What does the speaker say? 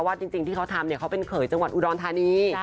จริงที่เขาทำเนี่ยเขาเป็นเขยจังหวัดอุดรธานี